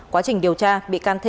quá trình điều tra bị can thi